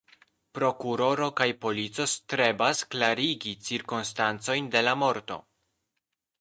Prokuroro kaj polico strebas klarigi cirkonstancojn de la morto.